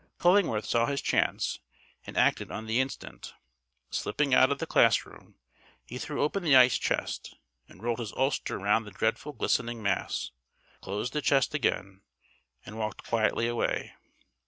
Cullingworth saw his chance, and acted on the instant. Slipping out of the classroom, he threw open the ice chest, rolled his ulster round the dreadful glistening mass, closed the chest again, and walked quietly away.